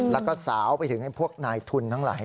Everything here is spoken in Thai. แล้วก็สาวไปถึงพวกนายทุนทั้งหลาย